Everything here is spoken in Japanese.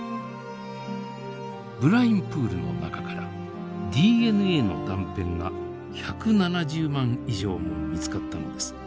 ブラインプールの中からＤＮＡの断片が１７０万以上も見つかったのです。